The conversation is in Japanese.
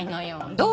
どう？